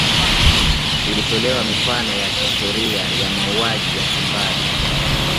ilitolewa mifano ya kihistoria ya mauaji ya kimbari